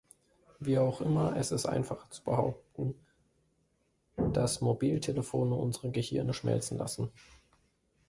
Wie auch immer, es ist einfacher zu behaupten, dass Mobiltelefone unsere Gehirne schmelzen lassen.